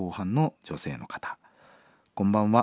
「こんばんは。